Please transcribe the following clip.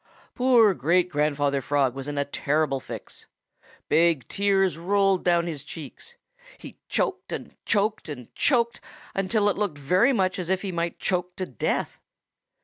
"Poor Great grandfather Frog was in a terrible fix. Big tears rolled down his cheeks. He choked and choked and choked, until it looked very much as if he might choke to death.